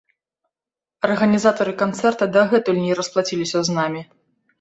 Арганізатары канцэрта дагэтуль не расплаціліся з намі.